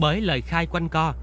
bởi lời khai quanh co